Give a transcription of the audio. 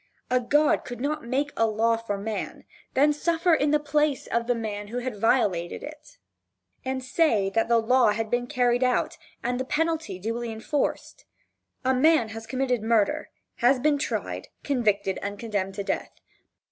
A god could not make a law for man, then suffer in the place of the man who had violated it, and say that the law had been carried out, and the penalty duly enforced. A man has committed murder, has been tried, convicted and condemned to death.